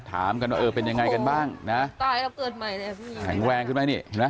ถามกันว่าเออเป็นยังไงกันบ้างนะแหงแวงขึ้นไปนี่นะ